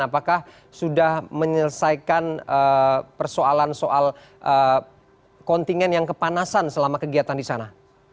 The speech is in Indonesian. apakah sudah menyelesaikan persoalan soal kontingen yang kepanasan selama kegiatan di sana